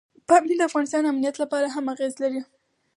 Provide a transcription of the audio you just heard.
پامیر د افغانستان د امنیت په اړه هم اغېز لري.